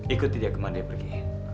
ikut tidak kemana dia pergi